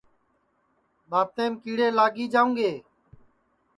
دؔتیم کیڑے لاگی جاوں گے